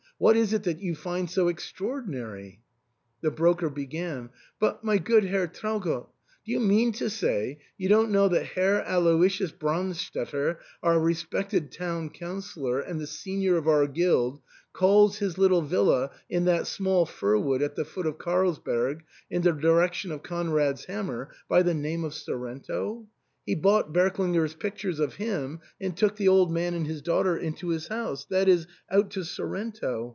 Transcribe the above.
what is it that you find so extraordi nary ?" The broker began, " But, my good Herr Trau gott, do you mean to say you don't know that Herr Aloysius Brandstetter, our respected town councillor and the senior of our guild, calls his little villa, in that small fir wood at the foot of Carlsberg, in the direction __^ of Conrad's Hammer, by the name of Sorrento ? He bought Berklinger's pictures of him and took the old man and his daughter into his house, that is, out to Sorrento.